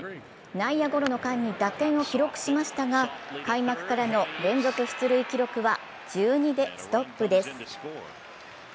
内野ゴロの間に打点を記録しましたが開幕からの連続出塁記録は１２でストップです。